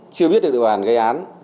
chưa biết được điều hàn gây án